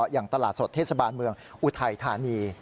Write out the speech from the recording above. อย่างตลาดสดเทศบาลเมืองอุทัยธานี